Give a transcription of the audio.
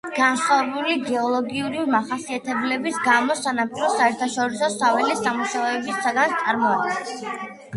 განსხვავებული გეოლოგიური მახასიათებლების გამო, სანაპირო საერთაშორისო საველე სამუშაოების საგანს წარმოადგენს.